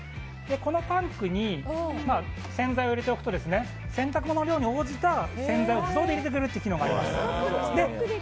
このタンクに洗剤を入れておくとその洗濯物に応じた洗剤を自動で入れてくれる機能があります。